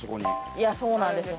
いやそうなんですよ。